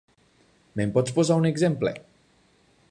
Me'n pots posar un exemple?